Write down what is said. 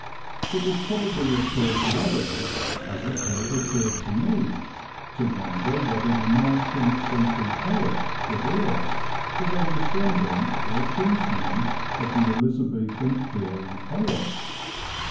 It will probably occur to others, as it has occurred to me, to wonder whether the nineteenth century poet De Vere was a descendant or a kinsman of the Elizabethan peer and poet.